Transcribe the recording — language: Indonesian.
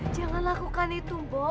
jangan lakukan itu mbah